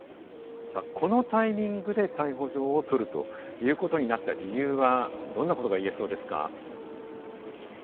このタイミングで逮捕状を取るということになった理由はどんなことが言えそうですか？